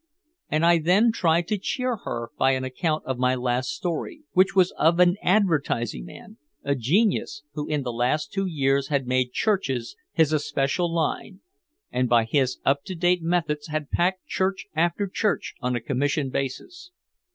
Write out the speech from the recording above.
And I then tried to cheer her by an account of my last story, which was of an advertising man, a genius who in the last two years had made churches his especial line and by his up to date methods had packed church after church on a commission basis.